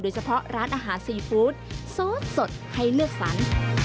โดยเฉพาะร้านอาหารซีฟู้ดโซ่ดให้เลือกสัน